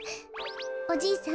おじいさん